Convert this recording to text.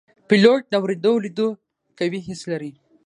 پیلوټ د اوریدو او لیدو قوي حس لري.